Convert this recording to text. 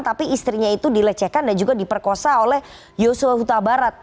tapi istrinya itu dilecehkan dan juga diperkosa oleh yoso hutabarat